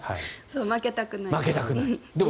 そう、負けたくないから。